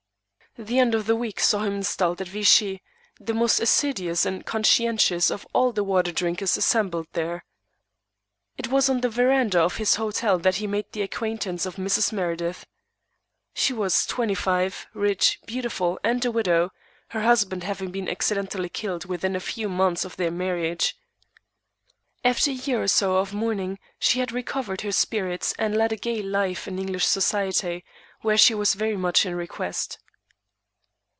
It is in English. The end of the week saw him installed at Vichy, the most assiduous and conscientious of all the water drinkers assembled there. It was on the veranda of his hotel that he made the acquaintance of Mrs. Meredith. She was twenty five, rich, beautiful and a widow, her husband having been accidentally killed within a few months of their marriage. After a year or so of mourning she had recovered her spirits, and led a gay life in English society, where she was very much in request.